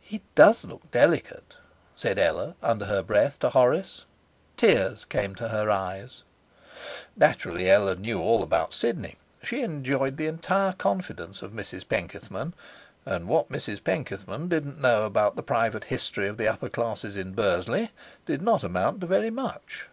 'He DOES look delicate,' said Ella under her breath to Horace. Tears came to her eyes. Naturally Ella knew all about Sidney. She enjoyed the entire confidence of Mrs Penkethman, and what Mrs Penkethman didn't know of the private history of the upper classes in Bursley did not amount to very much.